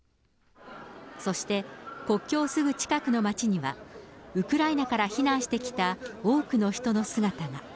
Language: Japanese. そして国境すぐ近くの街には、ウクライナから避難してきた多くの人の姿が。